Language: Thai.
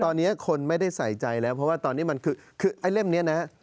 ตอนนี้คนไม่ได้ใส่ใจแล้วเพราะว่าตอนนี้มันคือไอ้เล่มนี้นะฮะ